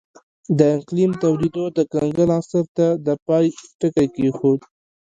د اقلیم تودېدو د کنګل عصر ته د پای ټکی کېښود